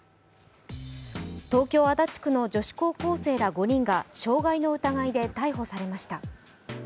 東京・足立区の女子高校生ら５人が傷害の疑いで逮捕されました。